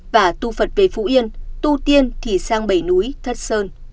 và tu phật về phú yên tu tiên thì sang bầy núi thất sơn